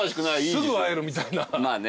すぐ会えるみたいな。